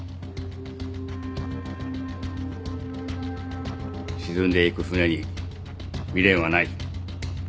沈んでいく船に未練はない。